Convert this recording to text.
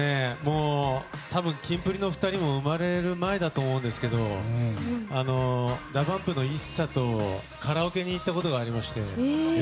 多分、キンプリの２人も生まれる前だと思うんですけどＤＡＰＵＭＰのＩＳＳＡとカラオケに行ったことがありまして。